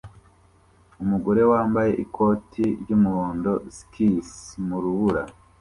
Umugore wambaye ikoti ry'umuhondo skis mu rubura